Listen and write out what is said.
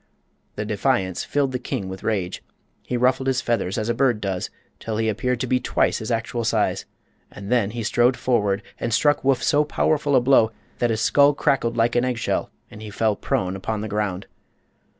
The defiance filled the king with rage. He ruffled his feathers as a bird does, till he appeared to be twice his actual size, and then he strode forward and struck Woof so powerful a blow that his skull crackled like an egg shell and he fell prone upon the ground.